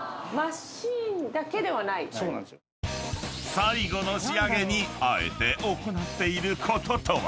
［最後の仕上げにあえて行っていることとは？］